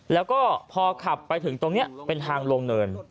แล้วก็พอขับไปถึงตรงนี้เป็นทางลงเนิน